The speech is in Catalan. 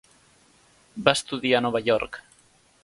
Va estudiar a Nova York.